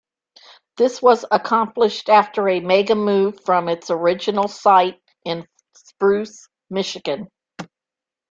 This was accomplished after a "mega-move" from its original site in Spruce, Michigan.